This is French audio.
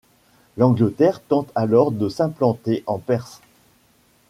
L'Angleterre tente alors de s'implanter en Perse.